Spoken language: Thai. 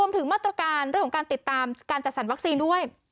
ถึงมาตรการเรื่องของการติดตามการจัดสรรวัคซีนด้วย